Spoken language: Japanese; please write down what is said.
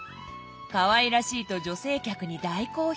かわいらしいと女性客に大好評。